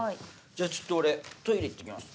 じゃちょっと俺トイレ行って来ます。